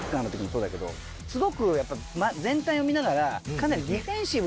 すごくやっぱ全体を見ながらかなり。